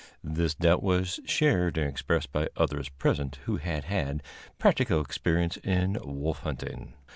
This doubt was shared and expressed by others present who had had practical experience in wolf hunting.